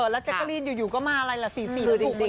แล้วแจ็คเกอรีนอยู่ก็มาอะไรล่ะ๔๔ถูกเยอะ